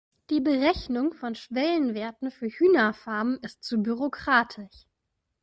Die Berechnung von Schwellenwerten für Hühnerfarmen ist zu bürokratisch.